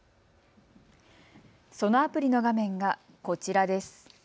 そのアプリの画面がこちらです。